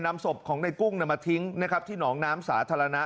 นำศพของในกุ้งมาทิ้งนะครับที่หนองน้ำสาธารณะ